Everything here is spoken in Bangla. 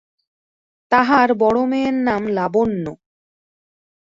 তাঁহার বড়ো মেয়ের নাম লাবণ্য।